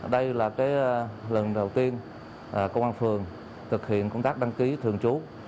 đây là lần đầu tiên công an phường thực hiện công tác đăng ký thường trú